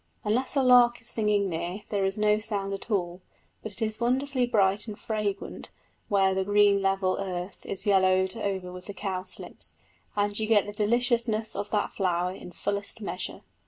Unless a lark is singing near, there is no sound at all; but it is wonderfully bright and fragrant where the green level earth is yellowed over with cowslips, and you get the deliciousness of that flower in fullest measure.